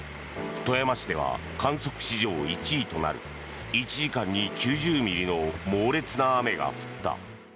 富山市では観測史上１位となる１時間に９０ミリの猛烈な雨が降った。